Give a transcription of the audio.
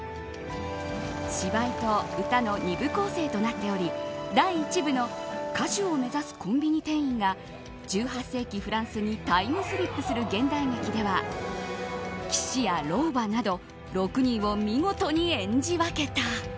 芝居と歌の２部構成となっており第１部の歌手を目指すコンビニ店員が１８世紀フランスにタイムスリップする現代劇では騎士や老婆など６人を見事に演じ分けた。